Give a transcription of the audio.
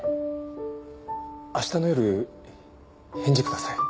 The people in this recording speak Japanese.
明日の夜返事ください。